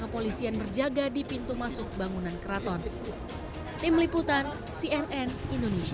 kepolisian berjaga di pintu masuk bangunan keraton tim liputan cnn indonesia